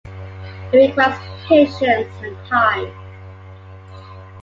It requires patience and time.